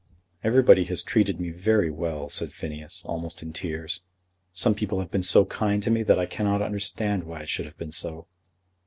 "Everybody has treated me very well," said Phineas, almost in tears. "Some people have been so kind to me that I cannot understand why it should have been so."